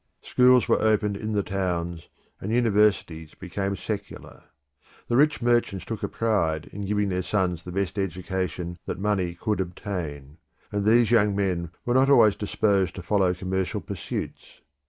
Schools were opened in the towns, and universities became secular. The rich merchants took a pride in giving their sons the best education that money could obtain, and these young men were not always disposed to follow commercial pursuits.